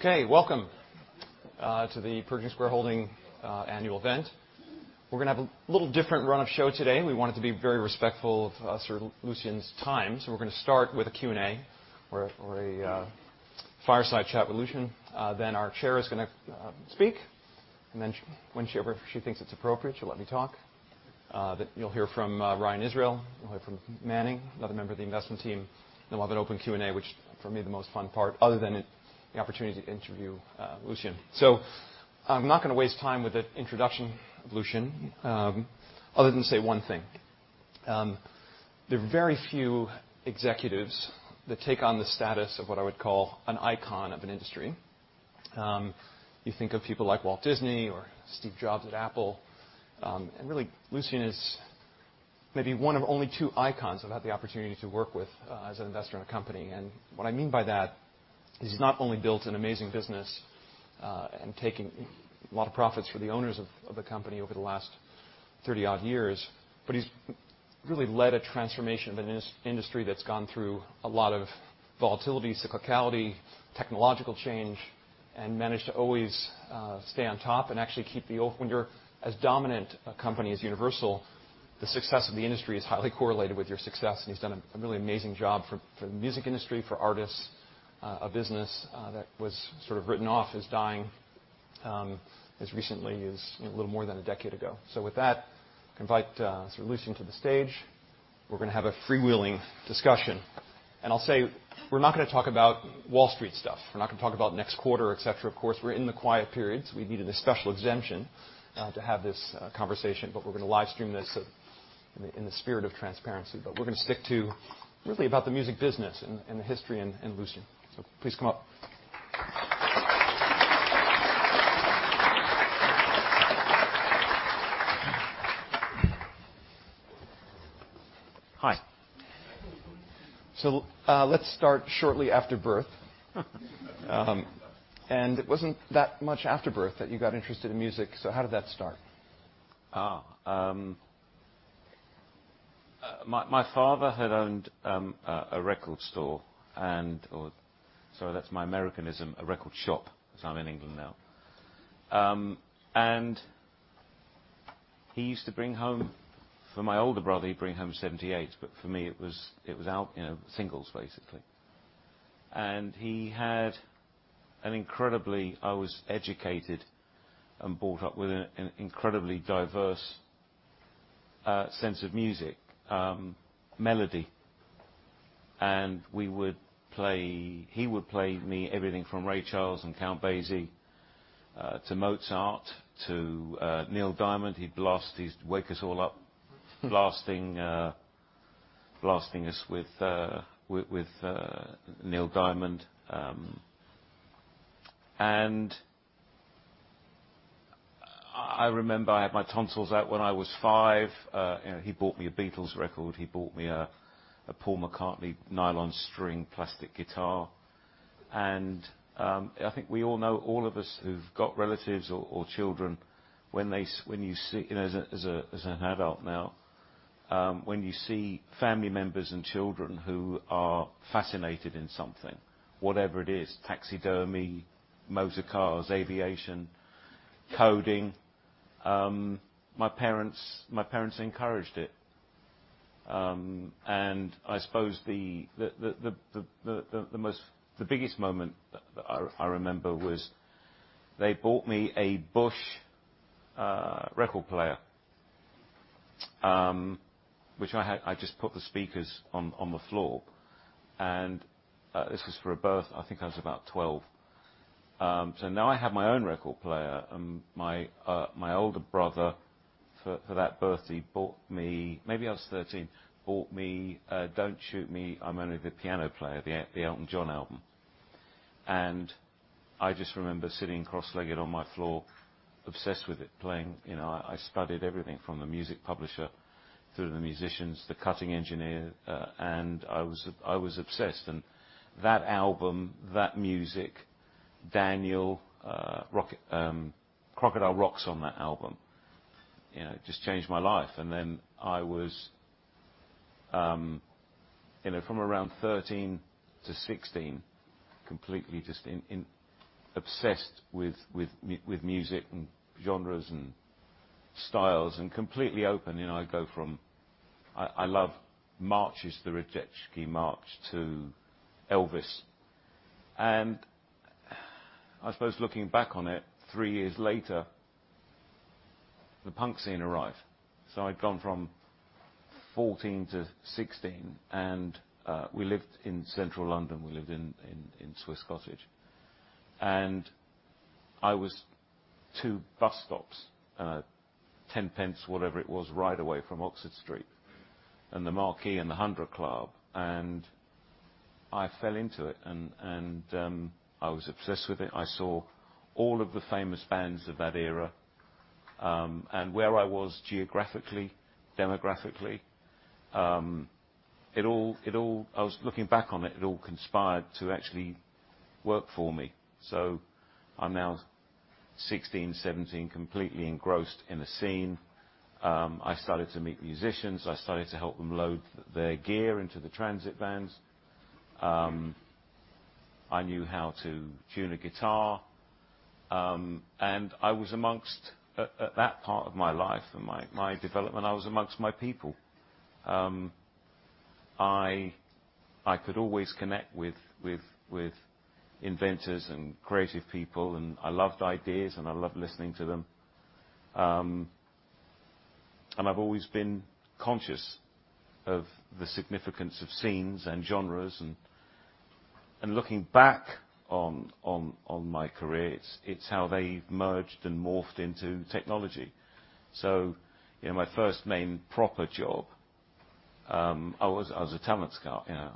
Okay. Welcome, the Pershing Square Holdings annual event. We're gonna have a little different run of show today. We want it to be very respectful of Sir Lucian's time, so we're gonna start with a Q&A or a fireside chat with Lucian. Then our chair is gonna speak, and then whenever she thinks it's appropriate, she'll let me talk. Then you'll hear from Ryan Israel, you'll hear from Manning, another member of the investment team, then we'll have an open Q&A, which for me is the most fun part, other than the opportunity to interview Lucian. I'm not gonna waste time with the introduction of Lucian, other than to say one thing. There are very few executives that take on the status of what I would call an icon of an industry. You think of people like Walt Disney or Steve Jobs at Apple. Really, Lucian is maybe one of only two icons I've had the opportunity to work with as an investor in a company. What I mean by that is he's not only built an amazing business and taken a lot of profits for the owners of the company over the last 30-odd years, but he's really led a transformation of an industry that's gone through a lot of volatility, cyclicality, technological change, and managed to always stay on top and actually keep the au... When you're as dominant a company as Universal, the success of the industry is highly correlated with your success, and he's done a really amazing job for the music industry, for artists, a business that was sort of written off as dying, as recently as a little more than a decade ago. With that, invite Sir Lucian to the stage. We're gonna have a freewheeling discussion. I'll say, we're not gonna talk about Wall Street stuff. We're not gonna talk about next quarter, et cetera. Of course, we're in the quiet period, we needed a special exemption to have this conversation, we're gonna live stream this in the spirit of transparency. We're gonna stick to really about the music business and the history and Lucian. Please come up. Hi. Let's start shortly after birth. It wasn't that much after birth that you got interested in music. How did that start? My father had owned a record store and... or sorry that's my Americanism, a record shop as I'm in England now. He used to bring home... For my older brother, he'd bring home 78s, but for me it was you know, singles, basically. He had an incredibly... I was educated and brought up with an incredibly diverse sense of music, melody. He would play me everything from Ray Charles and Count Basie to Mozart, to Neil Diamond. He'd wake us all up blasting us with Neil Diamond. I remember I had my tonsils out when I was five, you know, he bought me a Beatles record. He bought me a Paul McCartney nylon string plastic guitar. I think we all know, all of us who've got relatives or children, when you see. You know, as an adult now, when you see family members and children who are fascinated in something, whatever it is, taxidermy, motorcars, aviation, coding, my parents encouraged it. I suppose the biggest moment I remember was they bought me a Bush record player, which I just put the speakers on the floor. This was for a birth. I think I was about 12. Now I have my own record player. My older brother for that birthday maybe I was 13, bought me, Don't Shoot Me I'm Only the Piano Player, the Elton John album. I just remember sitting cross-legged on my floor, obsessed with it, playing. You know, I studied everything from the music publisher through the musicians, the cutting engineer, I was obsessed. That album, that music, Daniel, Crocodile Rock's on that album. You know, it just changed my life. I was, you know, from around 13 to 16, completely just obsessed with music and genres and styles and completely open. You know, I go from... I love marches, the Radetzky March to Elvis. I suppose looking back on it, three years later, the punk scene arrived. I'd gone from 14 to 16, and we lived in central London, we lived in Swiss Cottage. I was two bus stops, 0.10, whatever it was, ride away from Oxford Street and The Marquee and the 100 Club, and I fell into it and I was obsessed with it. I saw all of the famous bands of that era. Where I was geographically, demographically, I was looking back on it all conspired to actually work for me. I'm now 16, 17, completely engrossed in the scene. I started to meet musicians. I started to help them load their gear into the transit vans. I knew how to tune a guitar. I was amongst at that part of my life and my development, I was amongst my people. I could always connect with inventors and creative people, and I loved ideas, and I loved listening to them. I've always been conscious of the significance of scenes and genres. Looking back on my career, it's how they've merged and morphed into technology. You know, my first main proper job, I was a talent scout. You know,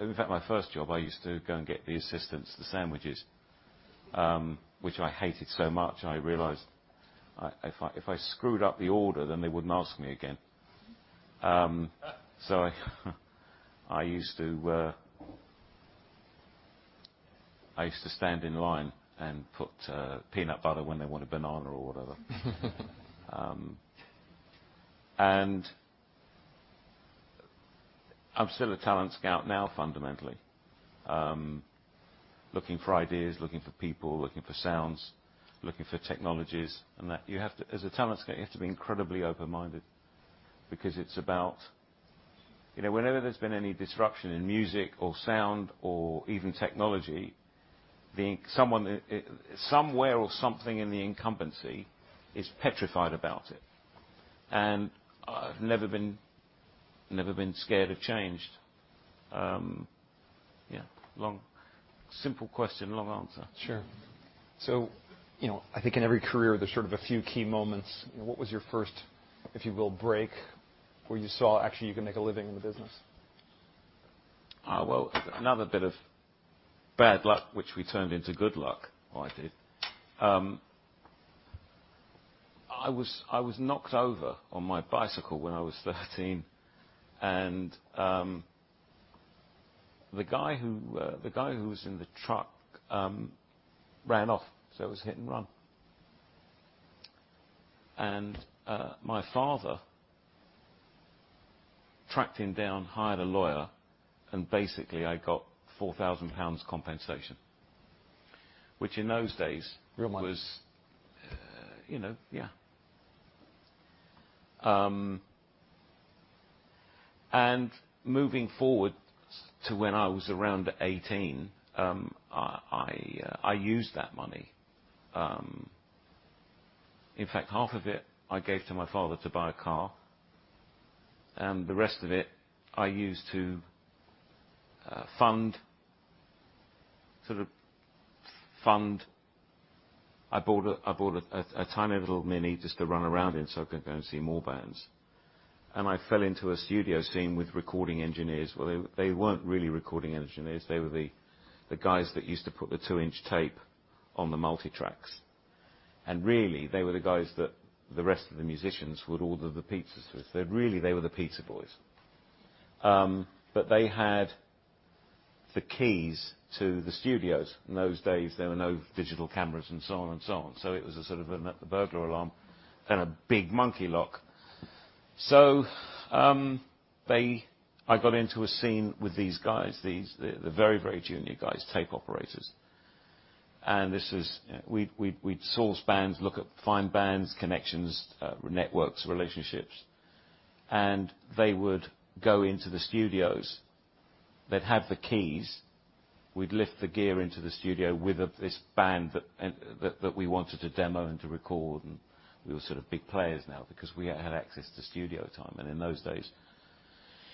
in fact, my first job, I used to go and get the assistants the sandwiches, which I hated so much. I realized if I screwed up the order, then they wouldn't ask me again. I used to, I used to stand in line and put peanut butter when they want a banana or whatever. I'm still a talent scout now fundamentally. Looking for ideas, looking for people, looking for sounds, looking for technologies, and that. As a talent scout, you have to be incredibly open-minded because it's about. You know, whenever there's been any disruption in music or sound or even technology, the someone, somewhere or something in the incumbency is petrified about it. I've never been scared of change. Yeah, long. Simple question, long answer. Sure. You know, I think in every career, there's sort of a few key moments. What was your first, if you will, break where you saw actually you can make a living in the business? Well, another bit of bad luck which we turned into good luck, or I did. I was knocked over on my bicycle when I was 13, the guy who was in the truck ran off, so it was hit-and-run. My father tracked him down, hired a lawyer, and basically I got 4,000 pounds compensation, which in those days. Real money. ...was, you know, yeah. Moving forward to when I was around 18, I used that money. In fact, half of it I gave to my father to buy a car, and the rest of it I used to fund. I bought a tiny little Mini just to run around in, so I could go and see more bands. I fell into a studio scene with recording engineers. Well, they weren't really recording engineers. They were the guys that used to put the two-inch tape on the multi-tracks. Really, they were the guys that the rest of the musicians would order the pizzas with. Really, they were the pizza boys. But they had the keys to the studios. In those days, there were no digital cameras and so on and so on. It was a sort of a burglar alarm and a big monkey lock. I got into a scene with these guys, the very junior guys, tape operators. This is. We'd source bands, find bands, connections, networks, relationships. They would go into the studios. They'd have the keys. We'd lift the gear into the studio with this band that we wanted to demo and to record, and we were sort of big players now because we had access to studio time. In those days,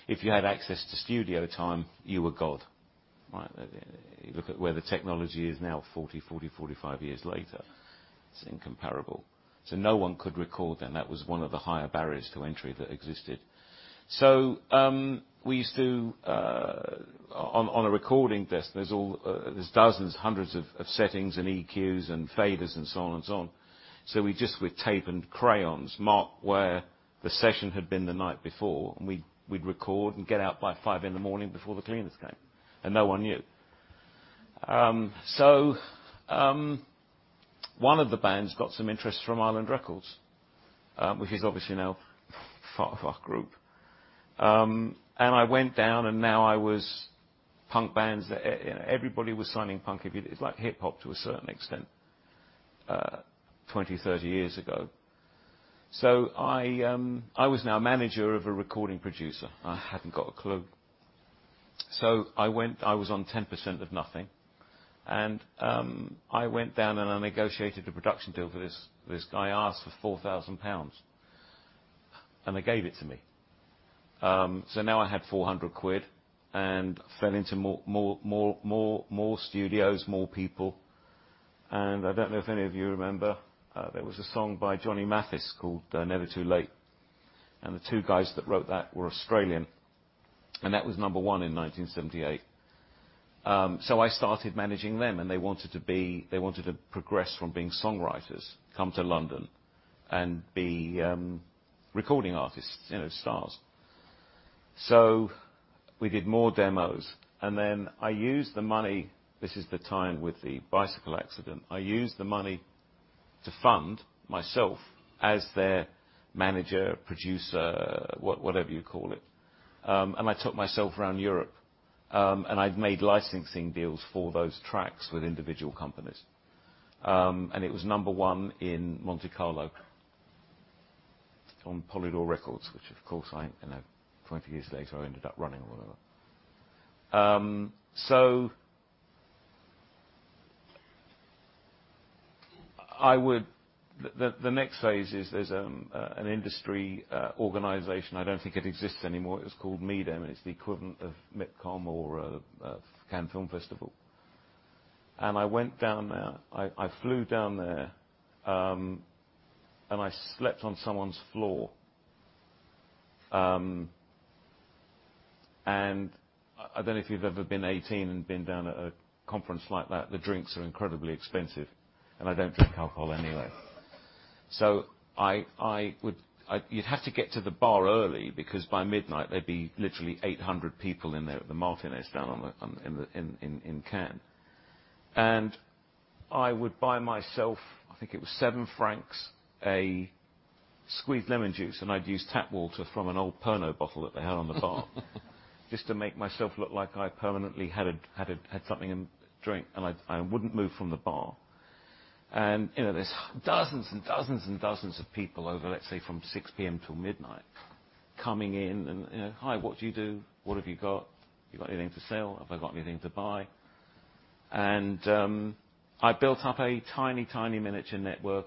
if you had access to studio time, you were God, right? You look at where the technology is now, 40, 45 years later, it's incomparable. No one could record then. That was one of the higher barriers to entry that existed. On a recording desk, there's dozens, hundreds of settings and EQs and faders and so on and so on. We just, with tape and crayons, mark where the session had been the night before, and we'd record and get out by 5:00 A.M. before the cleaners came, and no one knew. One of the bands got some interest from Island Records, which is obviously now part of our group. I went down, and now I was. Punk bands, you know, everybody was signing punk. It's like hip hop to a certain extent, 20, 30 years ago. I was now manager of a recording producer. I hadn't got a clue. I was on 10% of nothing. I went down, and I negotiated a production deal for this. This guy asked for 4,000 pounds, and they gave it to me. Now I had 400 quid and fell into more studios, more people. I don't know if any of you remember, there was a song by Johnny Mathis called "Never Too Late," and the two guys that wrote that were Australian, and that was number one in 1978. I started managing them, and they wanted to progress from being songwriters, come to London and be recording artists, you know, stars. We did more demos. I used the money. This is the time with the bicycle accident. I used the money to fund myself as their manager, producer, what-whatever you call it. I took myself around Europe, and I'd made licensing deals for those tracks with individual companies. It was number one in Monte Carlo on Polydor Records, which of course, I, you know, 20 years later I ended up running one of them. The next phase is an industry organization. I don't think it exists anymore. It was called MIDEM. It's the equivalent of MIPCOM or Cannes Film Festival. I went down there. I flew down there, and I slept on someone's floor. I don't know if you've ever been 18 and been down at a conference like that. The drinks are incredibly expensive, and I don't drink alcohol anyway. I would... You'd have to get to the bar early because by midnight there'd be literally 800 people in there at the Martinez down on the in Cannes. I would buy myself, I think it was FRF 7, a squeezed lemon juice, and I'd use tap water from an old Pernod bottle that they had on the bar just to make myself look like I permanently had something drink. I wouldn't move from the bar. You know, there's dozens of people over, let's say, from 6:00 P.M. till midnight coming in and, you know, "Hi, what do you do? What have you got? You got anything for sale?" Have I got anything to buy? I built up a tiny miniature network.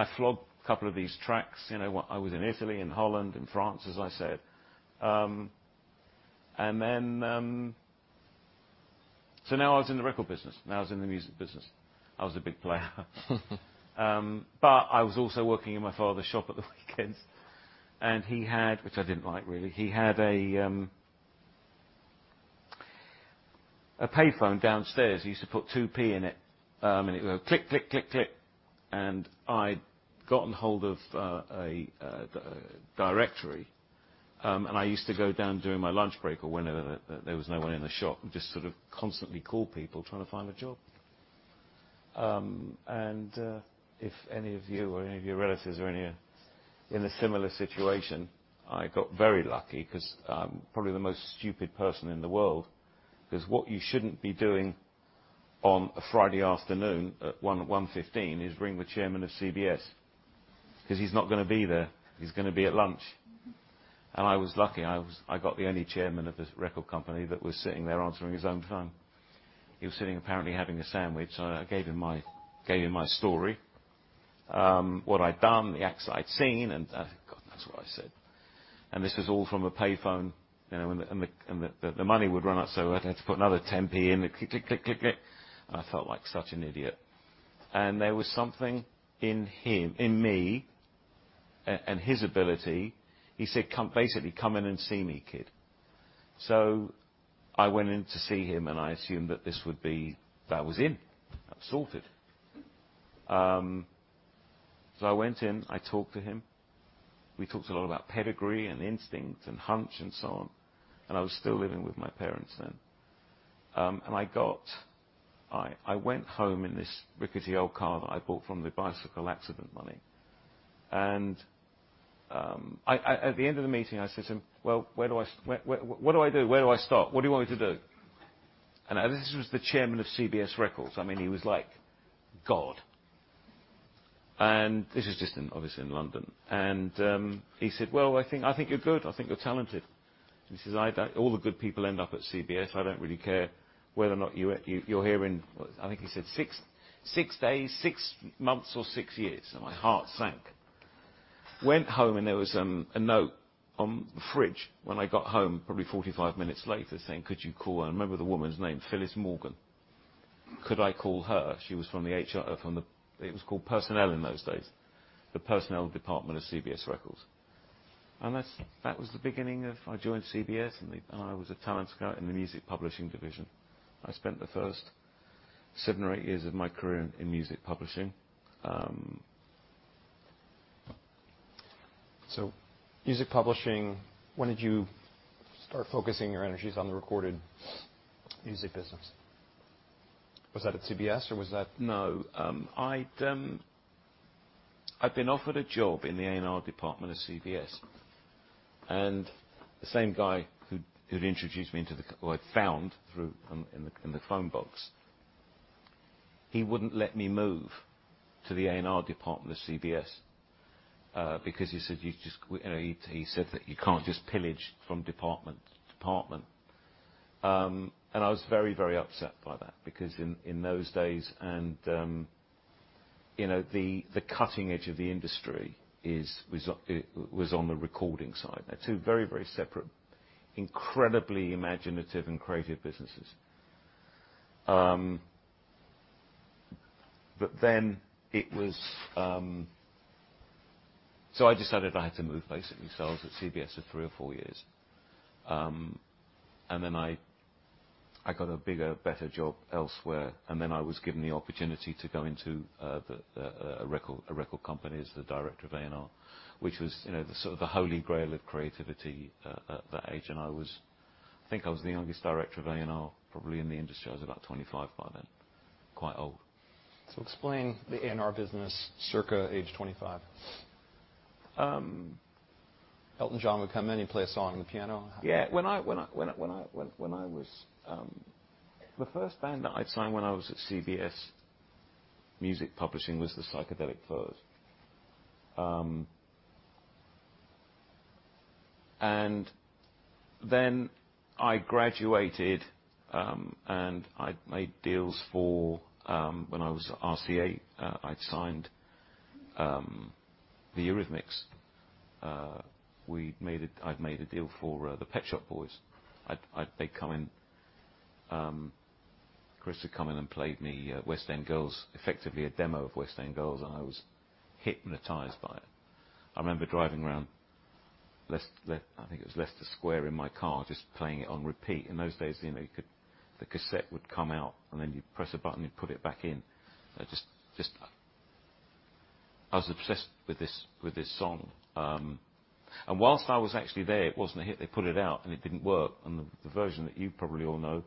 I flogged a couple of these tracks. You know, I was in Italy and Holland and France, as I said. Now I was in the record business. Now I was in the music business. I was a big player. But I was also working in my father's shop at the weekends. Which I didn't like, really. He had a payphone downstairs. You used to put 0.02 in it, and it would go click, click. I'd gotten hold of a directory, and I used to go down during my lunch break or whenever there was no one in the shop and just sort of constantly call people trying to find a job. If any of you or any of your relatives are in a similar situation, I got very lucky 'cause I'm probably the most stupid person in the world. 'Cause what you shouldn't be doing on a Friday afternoon at 1:15 is ring the chairman of CBS, 'cause he's not gonna be there. He's gonna be at lunch. I was lucky. I got the only chairman of the record company that was sitting there answering his own phone. He was sitting, apparently having a sandwich. I gave him my story, what I'd done, the acts I'd seen, God, that's what I said. This was all from a payphone, you know, and the money would run out, so I'd had to put another 0.10 in it. Click, click, click. I felt like such an idiot. There was something in me and his ability. He said, "Come,"... "Come in and see me, kid." I went in to see him. I assumed that this would be, that was it. I was sorted. I went in, I talked to him. We talked a lot about pedigree and instinct and hunch and so on. I was still living with my parents then. I went home in this rickety old car that I bought from the bicycle accident money. At the end of the meeting, I said to him, "Well, what do I do? Where do I start? What do you want me to do?" This was the Chairman of CBS Records. I mean, he was like God. This is just in, obviously in London. He said, "Well, I think, I think you're good. I think you're talented." He says, "I don't... All the good people end up at CBS. I don't really care whether or not you're here in," I think he said, "six days, six months or six years." My heart sank. Went home, there was a note on the fridge when I got home probably 45 minutes later saying, "Could you call..." I remember the woman's name, Phyllis Morgan. Could I call her? She was from the HR, it was called personnel in those days, the personnel department of CBS Records. That was the beginning of... I joined CBS, I was a talent scout in the music publishing division. I spent the first seven or eight years of my career in music publishing. Music publishing, when did you start focusing your energies on the recorded music business? Was that at CBS or was that-? No. I'd been offered a job in the A&R department of CBS, the same guy who'd introduced me to or I'd found through, in the phone box, he wouldn't let me move to the A&R department of CBS because he said, "You just." You know, he said that you can't just pillage from department to department. I was very, very upset by that because in those days and, you know, the cutting edge of the industry was, it was on the recording side. They're two very, very separate, incredibly imaginative and creative businesses. It was. I decided I had to move, basically. I was at CBS for three or four years. I got a bigger, better job elsewhere, and then I was given the opportunity to go into a record company as the Director of A&R, which was, you know, the sort of the Holy Grail of creativity at that age. I think I was the youngest Director of A&R probably in the industry. I was about 25 by then. Quite old. Explain the A&R business circa age 25? Um- Elton John would come in, he'd play a song on the piano. Yeah. When I was, the first band that I'd signed when I was at CBS Music Publishing was The Psychedelic Furs. I graduated, and I'd made deals for when I was at RCA, I'd signed the Eurythmics. I'd made a deal for the Pet Shop Boys. They'd come in. Chris had come in and played me West End Girls, effectively a demo of West End Girls, and I was hypnotized by it. I remember driving around Leicester Square in my car, just playing it on repeat. In those days, you know, you could. The cassette would come out, and then you'd press a button and put it back in. I just. I was obsessed with this, with this song. Whilst I was actually there, it wasn't a hit. They put it out, it didn't work. The version that you probably all know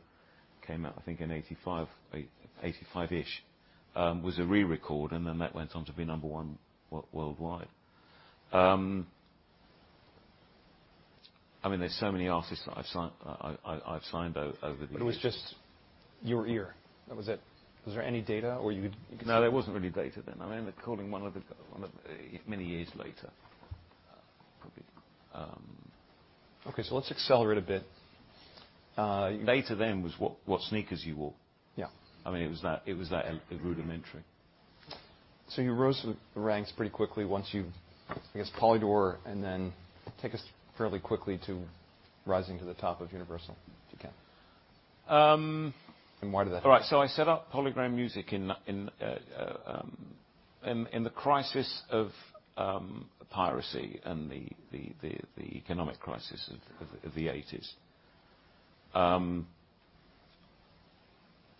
came out, I think, in 1985-ish, was a re-record, that went on to be number one worldwide. I mean, there's so many artists that I've signed over the years. It was just your ear. That was it. Was there any data or you could? No, there wasn't really data then. I mean, I ended up calling one of the. Many years later, probably. Okay. let's accelerate a bit. Data then was what sneakers you wore. Yeah. I mean, it was that rudimentary. You rose through the ranks pretty quickly once you, I guess Polydor, and then take us fairly quickly to rising to the top of Universal, if you can? Um- Why did that happen? All right. I set up PolyGram Music in the crisis of piracy and the economic crisis of the 1980s.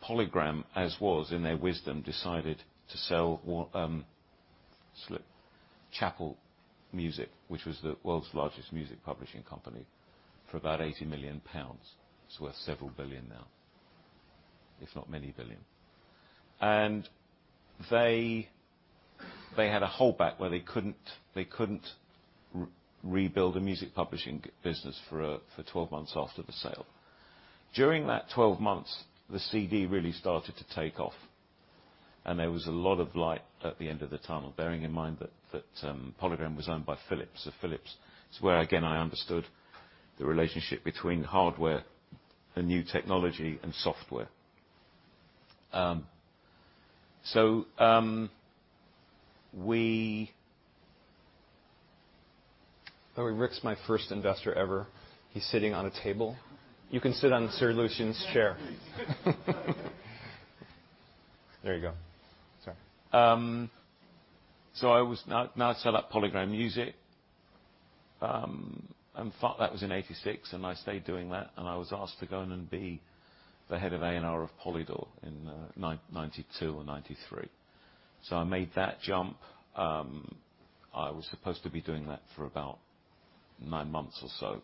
PolyGram, as was, in their wisdom, decided to sell Chappell Music, which was the world's largest music publishing company, for about 80 million pounds. It's worth several billion now, if not many billion. They had a holdback where they couldn't rebuild a music publishing business for 12 months after the sale. During that 12 months, the CD really started to take off, and there was a lot of light at the end of the tunnel. Bearing in mind that PolyGram was owned by Philips, so Philips is where, again, I understood the relationship between hardware and new technology and software. By the way, Rick's my first investor ever. He's sitting on a table. You can sit on Sir Lucian's chair. There you go. Sorry. Now I set up PolyGram Music. That was in 1986, and I stayed doing that, and I was asked to go in and be the Head of A&R of Polydor in 1992 or 1993. I made that jump. I was supposed to be doing that for about nine months or so.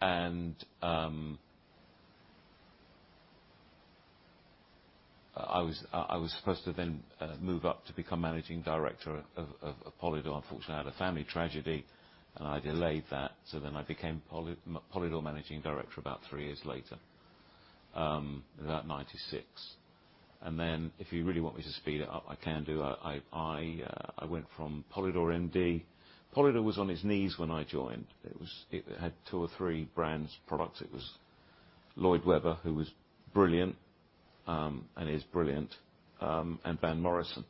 I was supposed to then move up to become Managing Director of Polydor. Unfortunately, I had a family tragedy, and I delayed that. I became Polydor Managing Director about three years later, about 1996. If you really want me to speed it up, I can do. I went from Polydor MD. Polydor was on its knees when I joined. It had two or three brands, products. It was Lloyd Webber, who was brilliant, and is brilliant, and Van Morrison.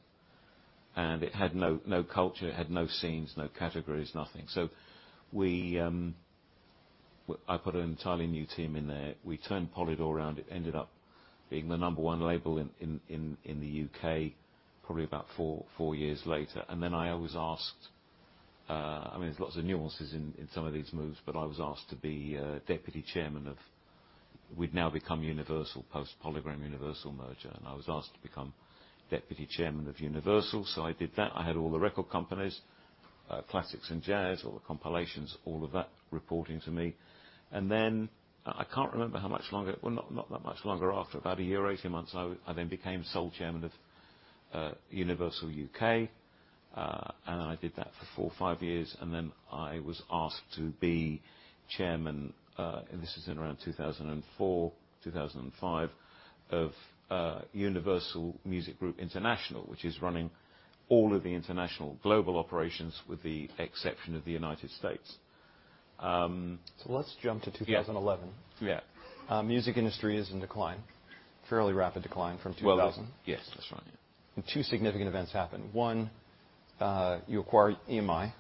It had no culture, it had no scenes, no categories, nothing. We put an entirely new team in there. We turned Polydor around. It ended up being the number one label in the U.K. probably about four years later. I was asked. I mean, there's lots of nuances in some of these moves, but I was asked to be Deputy Chairman of. We'd now become Universal, post-PolyGram Universal merger. I was asked to become Deputy Chairman of Universal, so I did that. I had all the record companies, classics and jazz, all the compilations, all of that reporting to me. I can't remember how much longer. Well, not that much longer after. About a year, 18 months, I then became sole Chairman of Universal Music U.K., and I did that for four or five years, and then I was asked to be Chairman, and this is in around 2004, 2005, of Universal Music Group International, which is running all of the international global operations with the exception of the United States. Let's jump to 2011. Yeah. Yeah. Music industry is in decline, fairly rapid decline from 2000. Well, Yes, that's right. Yeah. Two significant events happen. One, you acquire EMI,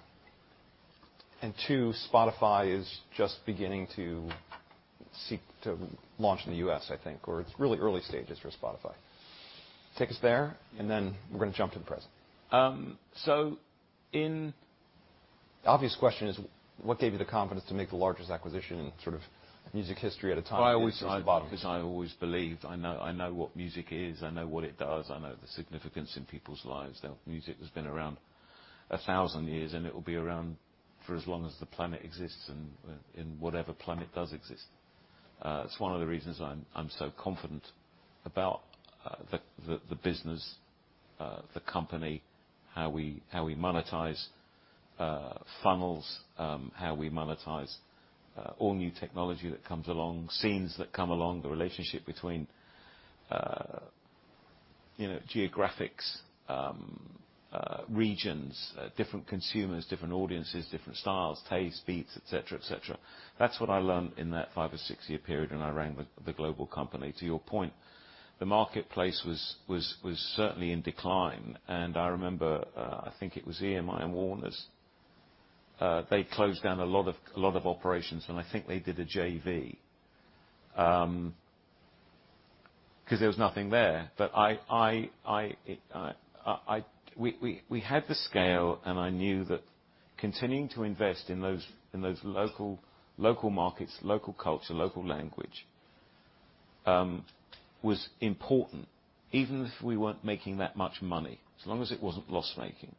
and two, Spotify is just beginning to seek to launch in the U.S., I think, or it's really early stages for Spotify. Take us there, and then we're gonna jump to the present. Um, so in- Obvious question is what gave you the confidence to make the largest acquisition in sort of music history at a time of industry decline? I always saw 'cause I always believed I know, I know what music is, I know what it does, I know the significance in people's lives, that music has been around 1,000 years, and it'll be around for as long as the planet exists and whatever planet does exist. It's one of the reasons I'm so confident about the business, the company, how we monetize funnels, how we monetize all new technology that comes along, scenes that come along, the relationship between, you know, geographics, regions, different consumers, different audiences, different styles, tastes, beats, et cetera, et cetera. That's what I learned in that 5 or 6-year period when I ran the global company. To your point, the marketplace was certainly in decline, and I remember I think it was EMI and Warners, they closed down a lot of operations, and I think they did a JV, 'cause there was nothing there. We had the scale, and I knew that continuing to invest in those local markets, local culture, local language, was important, even if we weren't making that much money, as long as it wasn't loss-making.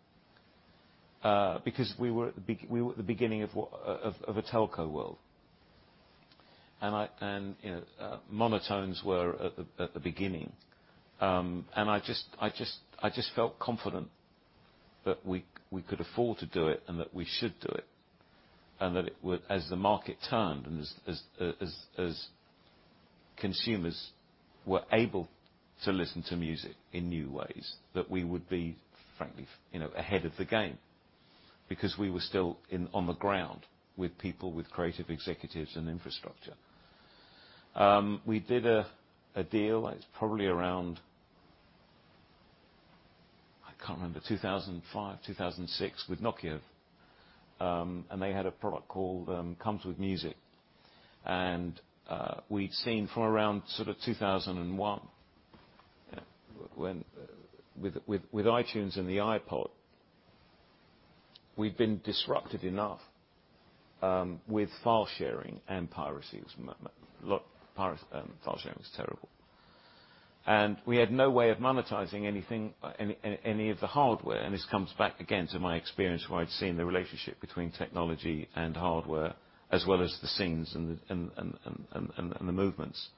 Because we were at the beginning of what a telco world. You know, monotones were at the beginning. I just felt confident that we could afford to do it and that we should do it, and that it would, as the market turned, and as consumers were able to listen to music in new ways, that we would be frankly, you know, ahead of the game, because we were still in, on the ground with people, with creative executives and infrastructure. We did a deal, it's probably around, I can't remember, 2005, 2006, with Nokia. They had a product called Comes With Music. We'd seen from around sort of 2001, when with iTunes and the iPod, we'd been disrupted enough with file sharing and piracy. It was file sharing was terrible. We had no way of monetizing anything, any of the hardware. This comes back again to my experience where I'd seen the relationship between technology and hardware, as well as the scenes and the movements.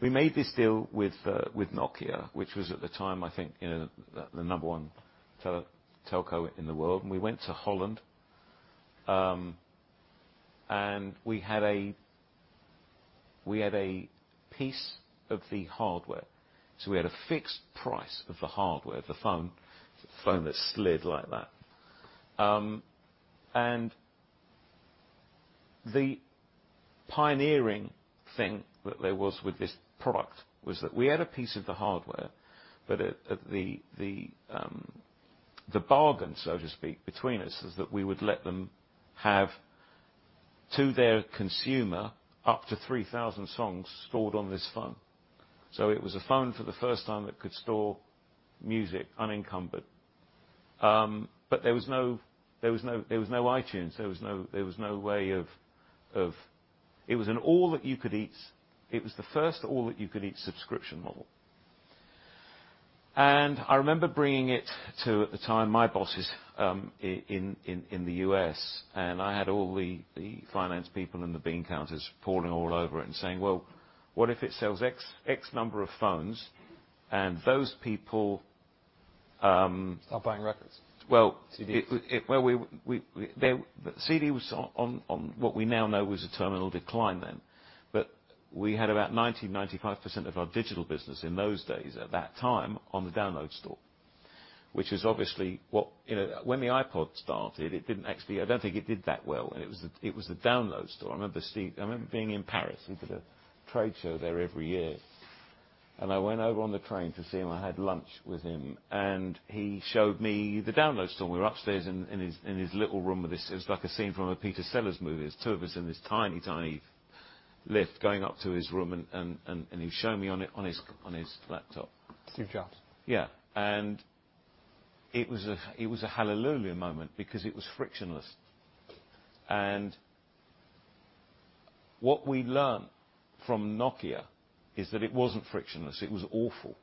We made this deal with Nokia, which was at the time, I think, you know, the number one telco in the world. We went to Holland, and we had a piece of the hardware. We had a fixed price of the hardware, the phone that slid like that. The pioneering thing that there was with this product was that we had a piece of the hardware, but the bargain, so to speak, between us is that we would let them have to their consumer up to 3,000 songs stored on this phone. It was a phone for the first time that could store music unencumbered. There was no iTunes, there was no way of. It was the first all-that-you-could-eat subscription model. I remember bringing it to, at the time, my bosses, in the U.S., and I had all the finance people and the bean counters pouring all over it and saying, "Well, what if it sells x number of phones and those people. Stop buying records. Well- CDs. It well, we they, CD was on what we now know was a terminal decline then, but we had about 90%-95% of our digital business in those days at that time on the download store. You know, when the iPod started, I don't think it did that well, and it was the download store. I remember being in Paris. We did a trade show there every year. I went over on the train to see him. I had lunch with him, and he showed me the download store. We were upstairs in his little room. It was like a scene from a Peter Sellers movie. There's two of us in this tiny lift going up to his room and he showed me on his laptop. Steve Jobs. Yeah. It was a hallelujah moment because it was frictionless. What we learned from Nokia is that it wasn't frictionless. It was awful,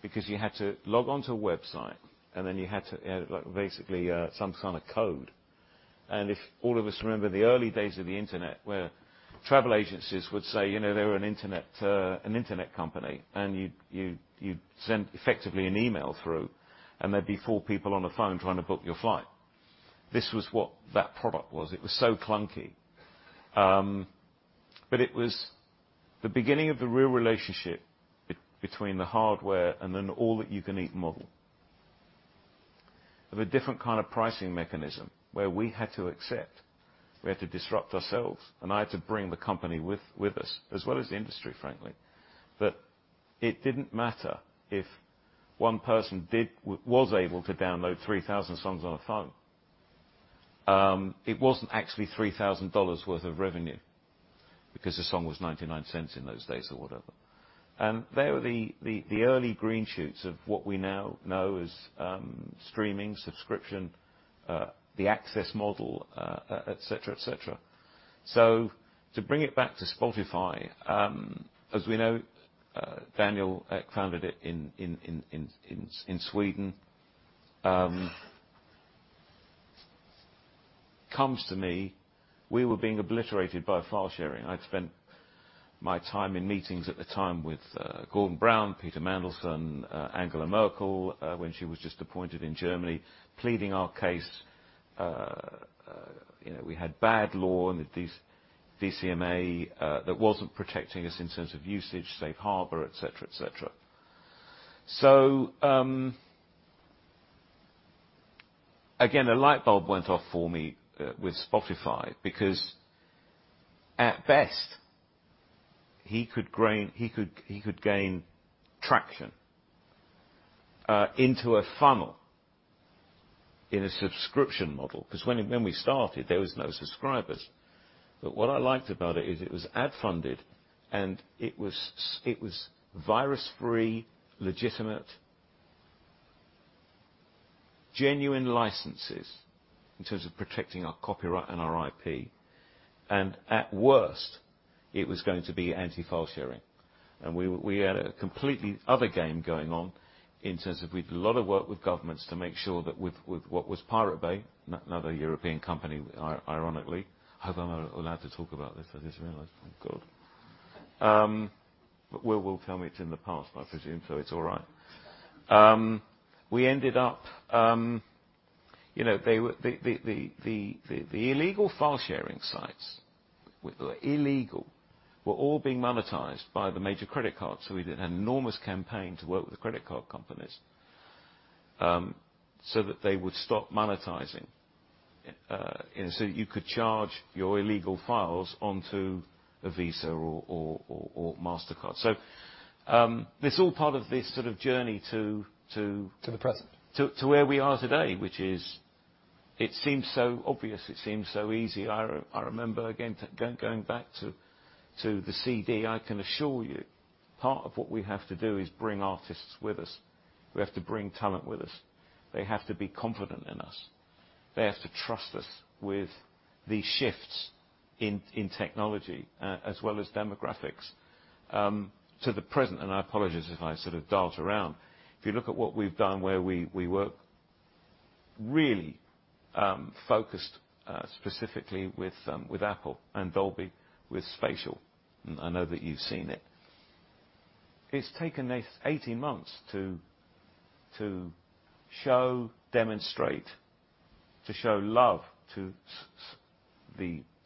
because you had to log on to a website, and then you had to, like basically, some kind of code. If all of us remember the early days of the Internet, where travel agencies would say, you know, they were an Internet, an Internet company, and you'd, you'd send effectively an email through, and there'd be four people on the phone trying to book your flight. This was what that product was. It was so clunky. It was the beginning of the real relationship between the hardware and an all that you can eat model. Of a different kind of pricing mechanism where we had to accept, we had to disrupt ourselves, and I had to bring the company with us, as well as the industry, frankly. It didn't matter if one person did, was able to download 3,000 songs on a phone. It wasn't actually $3,000 worth of revenue, because the song was $0.99 in those days or whatever. They were the early green shoots of what we now know as streaming, subscription, the access model, et cetera, et cetera. To bring it back to Spotify, as we know, Daniel founded it in Sweden. Comes to me, we were being obliterated by file sharing. I'd spent my time in meetings at the time with Gordon Brown, Peter Mandelson, Angela Merkel, when she was just appointed in Germany, pleading our case. You know, we had bad law and this DMCA that wasn't protecting us in terms of usage, safe harbor, et cetera, et cetera. Again, a light bulb went off for me with Spotify, because at best, he could gain traction into a funnel in a subscription model, 'cause when we started, there was no subscribers. What I liked about it is it was ad funded, and it was virus free, legitimate, genuine licenses in terms of protecting our copyright and our IP. At worst, it was going to be anti-file-sharing. We had a completely other game going on in terms of we did a lot of work with governments to make sure that with what was The Pirate Bay, another European company, ironically. I hope I'm allowed to talk about this. I just realized. Oh, God. We'll tell me it's in the past, I presume, so it's all right. We ended up. You know, the illegal file-sharing sites, illegal, were all being monetized by the major credit cards. We did an enormous campaign to work with the credit card companies so that they would stop monetizing so you could charge your illegal files onto a Visa or Mastercard. This is all part of this sort of journey to. To the present... to where we are today, which is it seems so obvious, it seems so easy. I remember again, going back to the CD, I can assure you, part of what we have to do is bring artists with us. We have to bring talent with us. They have to be confident in us. They have to trust us with these shifts in technology, as well as demographics. To the present, and I apologize if I sort of dart around. If you look at what we've done, where we work really focused specifically with Apple and Dolby with Spatial. I know that you've seen it. It's taken us 18 months to show, demonstrate, to show love to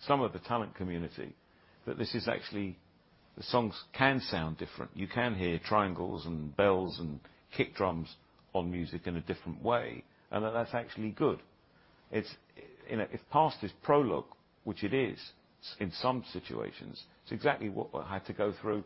some of the talent community that this is actually the songs can sound different. You can hear triangles and bells and kick drums on music in a different way. That's actually good. It's, you know, if past is prologue, which it is in some situations, it's exactly what I had to go through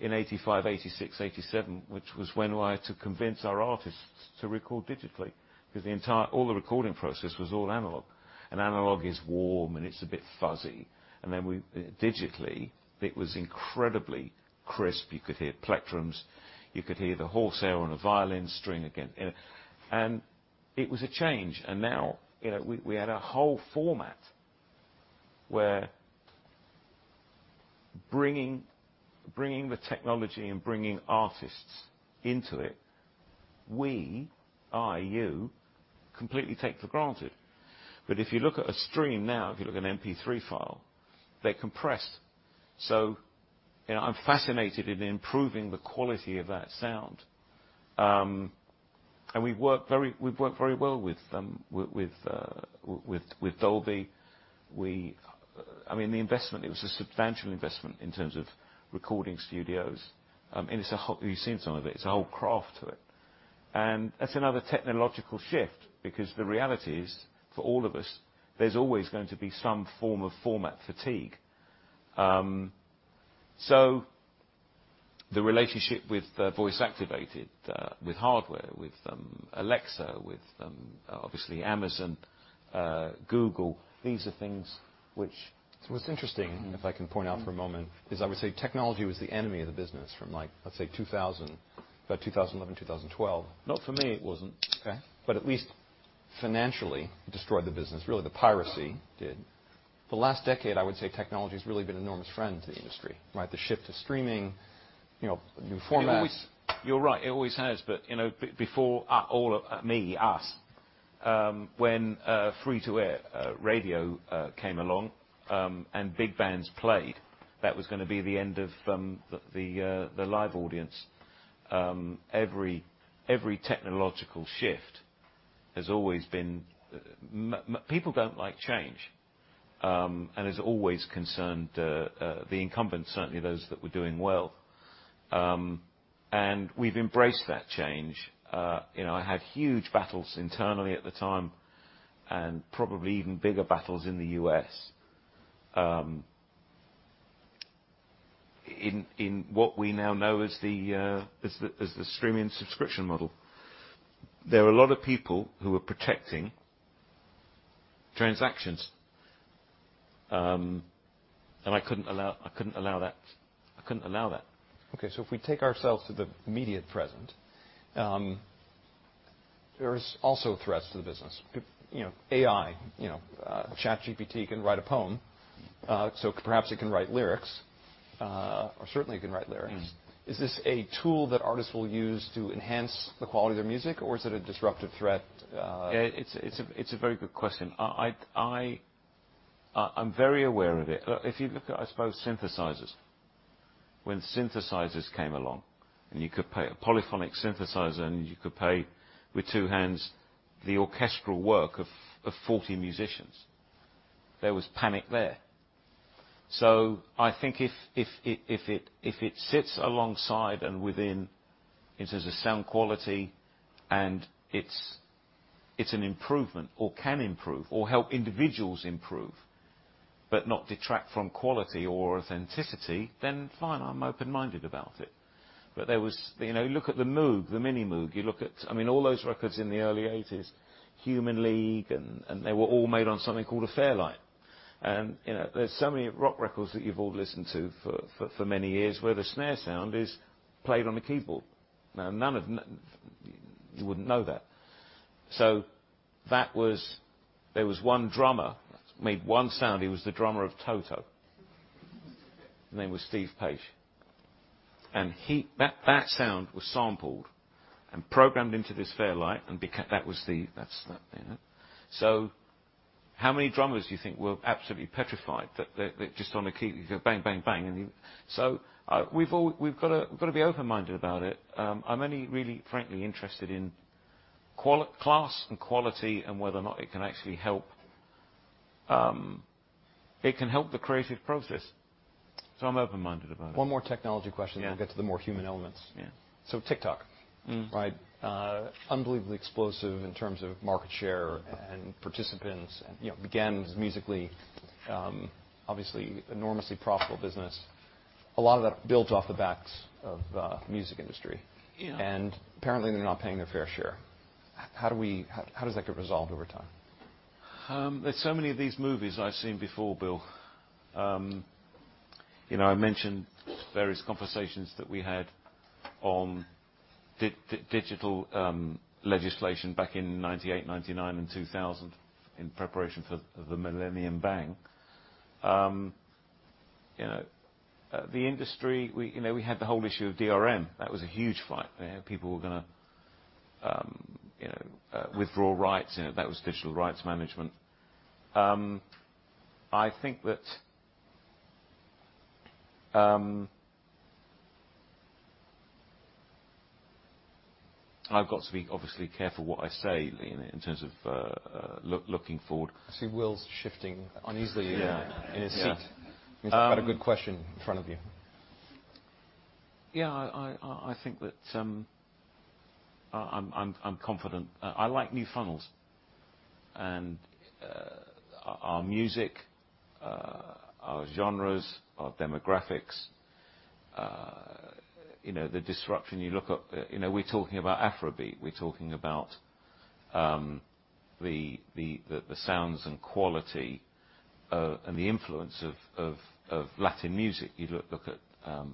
in 1985, 1986, 1987, which was when I had to convince our artists to record digitally because all the recording process was all analog, and analog is warm, and it's a bit fuzzy. Then we, digitally, it was incredibly crisp. You could hear plectrums, you could hear the horsehair on a violin string again. It was a change. Now, you know, we had a whole format where bringing the technology and bringing artists into it, we, I, you, completely take for granted. If you look at a stream now, if you look at an MP3 file, they're compressed. you know, I'm fascinated in improving the quality of that sound. We've worked very well with Dolby. I mean, the investment, it was a substantial investment in terms of recording studios. You've seen some of it. It's a whole craft to it. That's another technological shift because the reality is, for all of us, there's always going to be some form of format fatigue. The relationship with the voice-activated with hardware, with Alexa, with obviously Amazon, Google, these are things. What's interesting, if I can point out for a moment, is I would say technology was the enemy of the business from like, let's say 2000, about 2011, 2012. Not for me, it wasn't. At least financially, it destroyed the business. Really, the piracy did. The last decade, I would say technology has really been an enormous friend to the industry, right? The shift to streaming, you know, new formats. You're right. It always has. You know, before all of me, us, when free-to-air radio came along, and big bands played, that was gonna be the end of the live audience. Every technological shift has always been. People don't like change, and has always concerned the incumbents, certainly those that were doing well. We've embraced that change. You know, I had huge battles internally at the time and probably even bigger battles in the U.S. In what we now know as the streaming subscription model, there are a lot of people who are protecting transactions. I couldn't allow that. I couldn't allow that. Okay. If we take ourselves to the immediate present, there's also threats to the business. You know, AI, you know, ChatGPT can write a poem, so perhaps it can write lyrics, or certainly it can write lyrics. Mm. Is this a tool that artists will use to enhance the quality of their music, or is it a disruptive threat? It's a very good question. I'm very aware of it. If you look at, I suppose synthesizers. When synthesizers came along, and you could play a polyphonic synthesizer and you could play with two hands the orchestral work of 40 musicians, there was panic there. I think if it sits alongside and within if there's a sound quality and it's an improvement, or can improve, or help individuals improve, but not detract from quality or authenticity, then fine. I'm open-minded about it. There was You know, look at the Moog, the Minimoog. You look at, I mean, all those records in the early 1980s, Human League and they were all made on something called a Fairlight. You know, there's so many rock records that you've all listened to for many years where the snare sound is played on a keyboard. You wouldn't know that. There was one drummer made one sound. He was the drummer of Toto, and his name was Jeff Porcaro, and That sound was sampled and programmed into this Fairlight and That's that, you know. How many drummers do you think were absolutely petrified that just on a key, bang, bang, and so we've gotta be open-minded about it. I'm only really frankly interested in class and quality and whether or not it can actually help. It can help the creative process, so I'm open-minded about it. One more technology question. Yeah. We'll get to the more human elements. Yeah. TikTok. Mm. Right? unbelievably explosive in terms of market share and participants and, you know, began as musical.ly, obviously enormously profitable business. A lot of that built off the backs of the music industry. Yeah. Apparently they're not paying their fair share. How does that get resolved over time? There's so many of these movies I've seen before, Bill. You know, I mentioned various conversations that we had on digital legislation back in 1998, 1999 and 2000 in preparation for the millennium bang. You know, the industry, we, you know, we had the whole issue of DRM. That was a huge fight. People were gonna, you know, withdraw rights. That was digital rights management. I think that, I've got to be obviously careful what I say in terms of looking forward. I see Will's shifting uneasily. Yeah. in his seat. Yeah. You've got a good question in front of you. Yeah. I think that I'm confident. I like new funnels and our music, our genres, our demographics, you know, the disruption. You look up. You know, we're talking about Afrobeats. We're talking about the sounds and quality and the influence of Latin music. You look at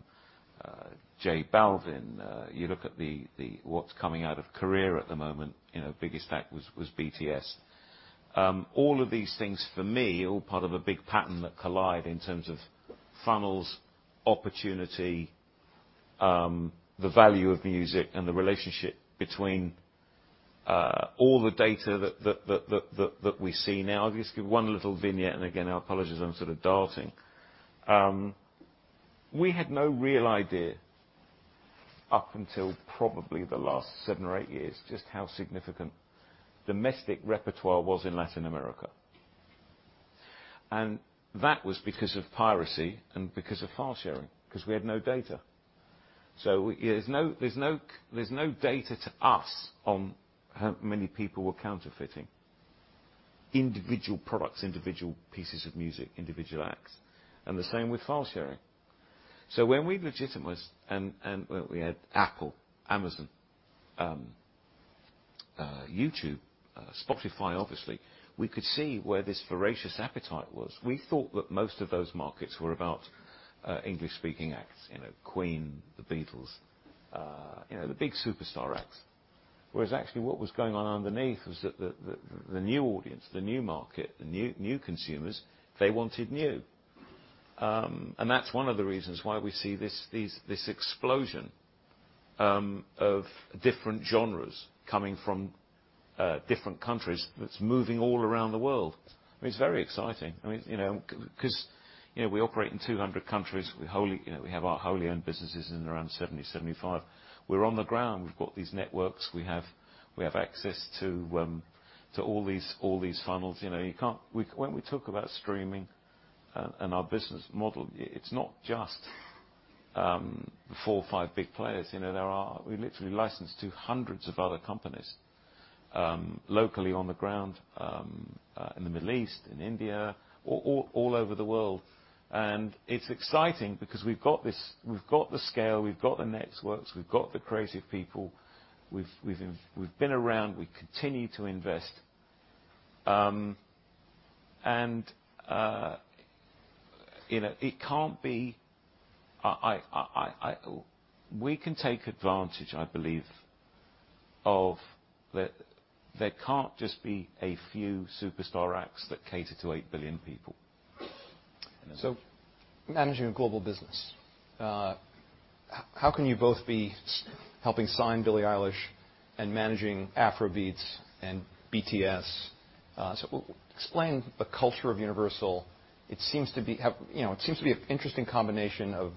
J Balvin. You look at what's coming out of Korea at the moment. You know, biggest act was BTS. All of these things for me, all part of a big pattern that collide in terms of funnels, opportunity, the value of music and the relationship between all the data that we see now. I'll just give one little vignette, and again, our apologies, I'm sort of darting. We had no real idea up until probably the last seven or eight years just how significant domestic repertoire was in Latin America. That was because of piracy and because of file sharing, because we had no data. There's no data to us on how many people were counterfeiting individual products, individual pieces of music, individual acts. The same with file sharing. When we legitimized and we had Apple, Amazon, YouTube, Spotify, obviously, we could see where this voracious appetite was. We thought that most of those markets were about English-speaking acts, you know, Queen, The Beatles, you know, the big superstar acts. Whereas actually what was going on underneath was that the new audience, the new market, the new consumers, they wanted new. That's one of the reasons why we see this explosion of different genres coming from different countries that's moving all around the world. It's very exciting. I mean, you know, 'cause we operate in 200 countries. You know, we have our wholly owned businesses in around 70, 75. We're on the ground. We've got these networks. We have access to all these funnels. You know, when we talk about streaming and our business model, it's not just the four or five big players. You know, we literally license to hundreds of other companies locally on the ground in the Middle East, in India, all over the world. It's exciting because we've got the scale, we've got the networks, we've got the creative people, we've been around, we continue to invest. you know, it can't be... We can take advantage, I believe, of the... There can't just be a few superstar acts that cater to 8 billion people. Managing a global business, how can you both be helping sign Billie Eilish and managing Afrobeats and BTS? Explain the culture of Universal. You know, it seems to be an interesting combination of,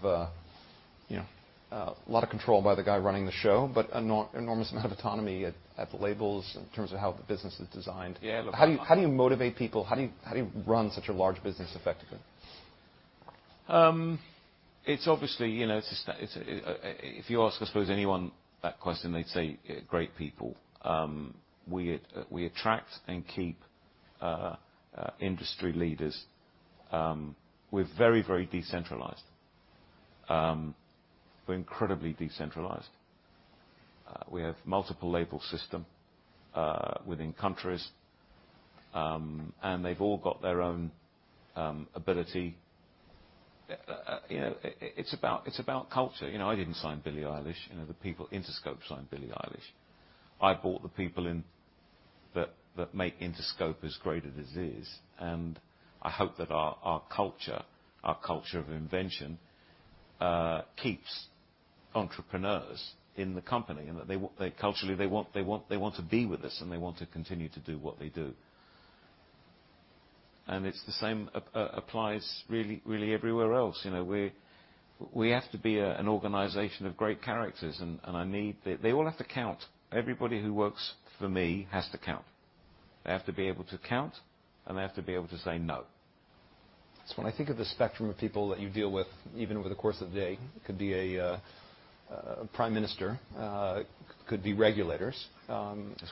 you know, a lot of control by the guy running the show, but enormous amount of autonomy at the labels in terms of how the business is designed. Yeah. How do you motivate people? How do you run such a large business effectively? It's obviously, you know, if you ask, I suppose, anyone that question, they'd say, great people. We attract and keep industry leaders. We're very decentralized. We're incredibly decentralized. We have multiple label system within countries, they've all got their own ability. You know, it's about culture. You know, I didn't sign Billie Eilish, you know, Interscope signed Billie Eilish. I brought the people in that make Interscope as great as it is. I hope that our culture of invention keeps entrepreneurs in the company, and that they culturally, they want to be with us, and they want to continue to do what they do. It's the same applies really everywhere else. You know, we're... We have to be an organization of great characters, and they all have to count. Everybody who works for me has to count. They have to be able to count, and they have to be able to say no. When I think of the spectrum of people that you deal with, even over the course of the day. Mm-hmm... could be a prime minister, could be regulators. That's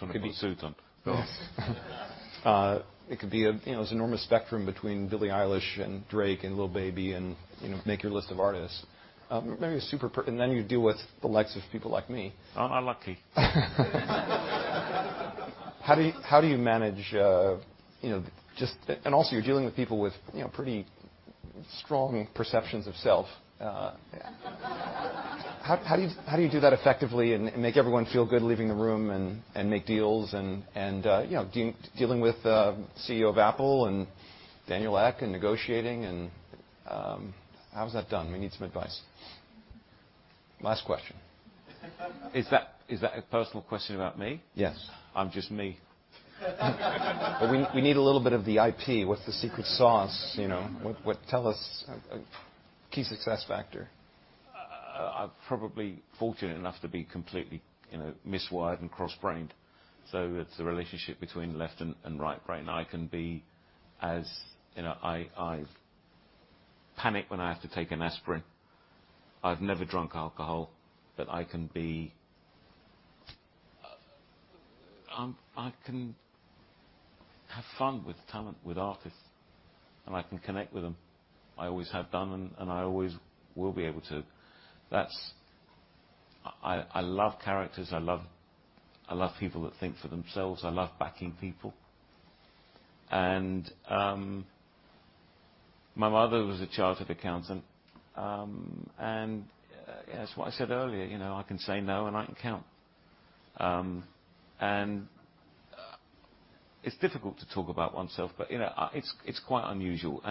why I've got my suit on. Yes. it could be a, you know, this enormous spectrum between Billie Eilish and Drake and Lil Baby and, you know, make your list of artists. maybe and then you deal with the likes of people like me. Oh, how lucky. How do you manage, you know, just. Also you're dealing with people with, you know, pretty strong perceptions of self. How do you do that effectively and make everyone feel good leaving the room and make deals and, you know, dealing with the CEO of Apple and Daniel Ek and negotiating and, how is that done? We need some advice. Last question. Is that a personal question about me? Yes. I'm just me. We need a little bit of the IP. What's the secret sauce, you know? Tell us a key success factor. I'm probably fortunate enough to be completely, you know, miswired and cross-brained. It's the relationship between left and right brain. I can be as... You know, I panic when I have to take an aspirin. I've never drunk alcohol. I can be... I can have fun with talent, with artists, and I can connect with them. I always have done, and I always will be able to. That's... I love characters, I love people that think for themselves, I love backing people. My mother was a chartered accountant, and as what I said earlier, you know, I can say no, and I can count. It's difficult to talk about oneself, but, you know, it's quite unusual.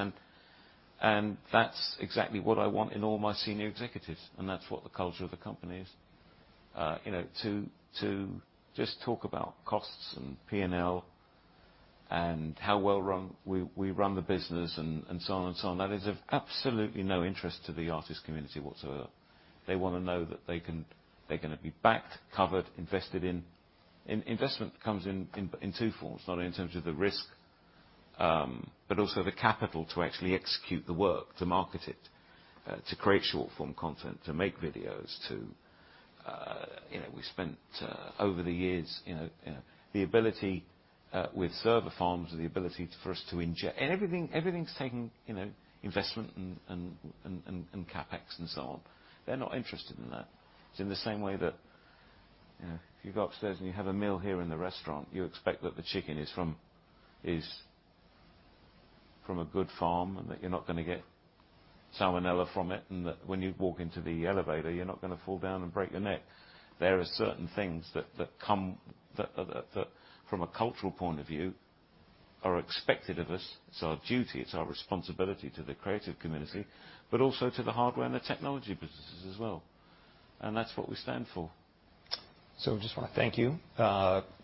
That's exactly what I want in all my senior executives, and that's what the culture of the company is. You know, to just talk about costs and P&L and how well run we run the business and so on and so on, that is of absolutely no interest to the artist community whatsoever. They wanna know that they're gonna be backed, covered, invested in. Investment comes in two forms, not only in terms of the risk, but also the capital to actually execute the work, to market it, to create short-form content, to make videos, to... You know, we spent over the years, you know, the ability with server farms and the ability for us to inject... Everything's taking, you know, investment and CapEx and so on. They're not interested in that. It's in the same way that, you know, if you go upstairs and you have a meal here in the restaurant, you expect that the chicken is from, is from a good farm, and that you're not gonna get salmonella from it, and that when you walk into the elevator, you're not gonna fall down and break your neck. There are certain things that come, that from a cultural point of view are expected of us. It's our duty, it's our responsibility to the creative community, but also to the hardware and the technology businesses as well, and that's what we stand for. I just wanna thank you.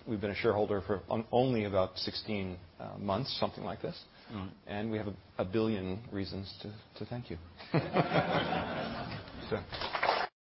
We've been a shareholder for only about 16 months, something like this. Mm-hmm. We have a billion reasons to thank you. Sir.